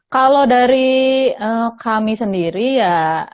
kalau dari kami sendiri ya